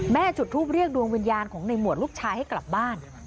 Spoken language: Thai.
จุดทูปเรียกดวงวิญญาณของในหมวดลูกชายให้กลับบ้าน